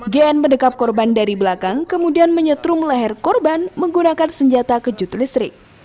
gn mendekat korban dari belakang kemudian menyetrum leher korban menggunakan senjata kejut listrik